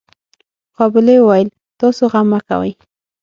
قابلې وويل تاسو غم مه کوئ.